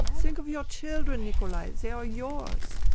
' Think of your children, Nikolai. They are yours.